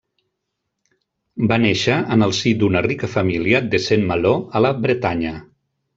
Va néixer en el si d'una rica família de Saint-Malo, a la Bretanya.